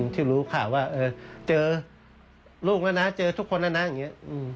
ที่รู้ข่าวว่าเจอลูกแล้วนะเจอทุกคนแล้วนะอย่างนี้